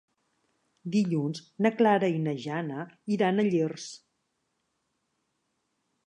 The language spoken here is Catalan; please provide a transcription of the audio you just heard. Dilluns na Clara i na Jana iran a Llers.